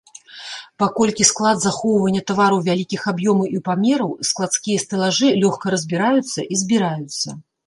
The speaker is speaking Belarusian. Паколькі склад захоўвання тавараў вялікіх аб'ёмаў і памераў, складскія стэлажы лёгка разбіраюцца і збіраюцца.